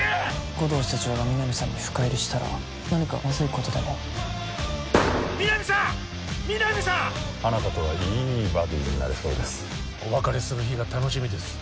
護道室長が皆実さんに深入りしたら何かまずいことでも皆実さん！皆実さん！あなたとはいいバディになれそうですお別れする日が楽しみですわ！